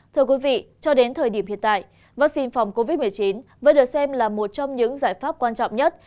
thưa quý vị cho đến thời điểm hiện tại vaccine phòng covid một mươi chín vẫn được xem là một trong những giải pháp quan trọng nhất